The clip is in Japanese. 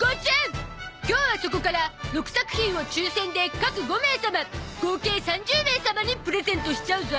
今日はそこから６作品を抽選で各５名様合計３０名様にプレゼントしちゃうゾ